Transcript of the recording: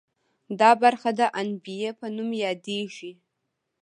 دا برخه د عنبیې په نوم یادیږي.